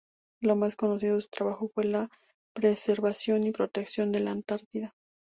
Lo más conocido de su trabajo fue la preservación y protección de la Antártida.